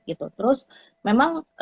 gitu terus memang